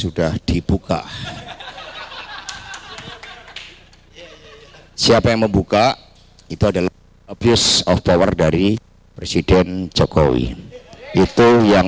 sudah dibuka siapa yang membuka itu adalah abuse of power dari presiden jokowi itu yang